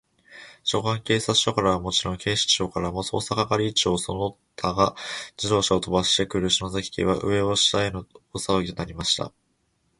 所轄警察署からはもちろん、警視庁からも、捜査係長その他が自動車をとばしてくる、篠崎家は、上を下への大さわぎになりました。